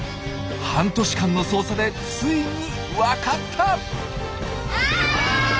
半年間の捜査でついにわかった！